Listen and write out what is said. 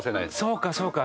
そうかそうか。